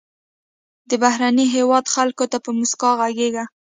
د بهرني هېواد خلکو ته په موسکا غږیږه.